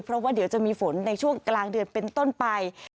เพราะว่าเดี๋ยวจะมีฝนในช่วงกลางเดือนเป็นต้นไป